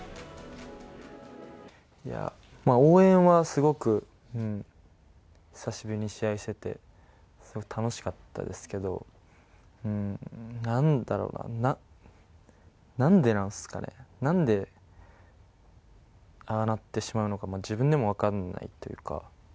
応援はすごく、久しぶりに試合をしてて、すごい楽しかったですけど、なんだろうな、なんでなんっすかね、なんでああなってしまうのかも、自分でも分かんないっていうか。